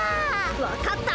わかった。